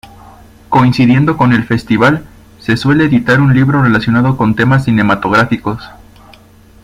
Coincidiendo con el Festival se suele editar un libro relacionado con temas cinematográficos.